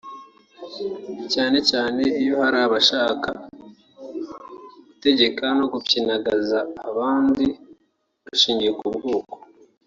cyane cyane iyo hari abashaka gutegeka no gupyinagaza abandi bishingiye k’ubwoko